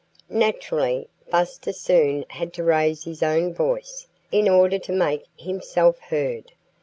Naturally, Buster soon had to raise his own voice, in order to make himself heard.